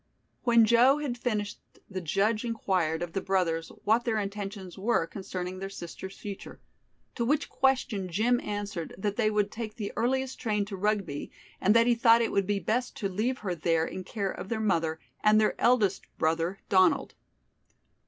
When Joe had finished the judge inquired of the brothers what their intentions were concerning their sister's future, to which question Jim answered that they would take the earliest train to Rugby and that he thought it would be best to leave her there in care of their mother and their eldest brother Donald.